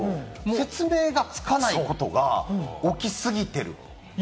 説明がつかないことが起きすぎてる、本当に。